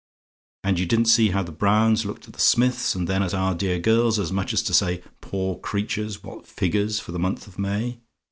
And you didn't see how the Browns looked at the Smiths, and then at our dear girls, as much as to say, 'Poor creatures! what figures for the month of May!'